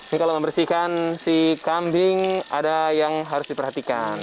ini kalau membersihkan si kambing ada yang harus diperhatikan